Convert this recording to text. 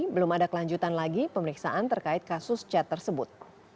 belum ada kelanjutan lagi pemeriksaan terkait kasus cat tersebut